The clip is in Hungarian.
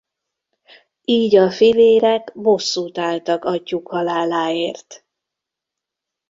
Így a fivérek bosszút álltak atyjuk haláláért.